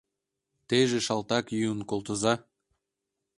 Теже шалтак йӱын колтыза!